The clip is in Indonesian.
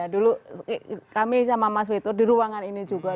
dulu kami sama mas vito di ruangan ini juga